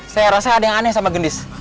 saya rasa ada yang aneh sama gendis